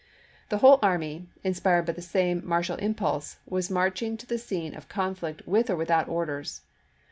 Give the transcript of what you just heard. The whole army, inspired by the same martial impulse, was marching to the scene of conflict with or without orders.